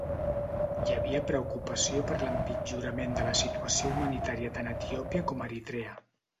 Hi havia preocupació per l'empitjorament de la situació humanitària tant a Etiòpia com a Eritrea.